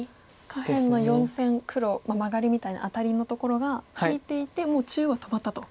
下辺の４線黒マガリみたいなアタリのところが利いていてもう中央は止まったと。